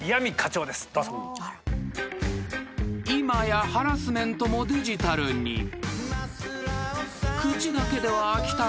［今やハラスメントもデジタルに］